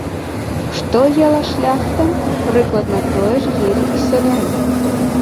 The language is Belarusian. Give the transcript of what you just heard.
Што ела шляхта, прыкладна тое ж елі і сяляне.